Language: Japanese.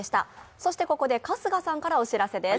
そしてここで春日さんからお知らせです。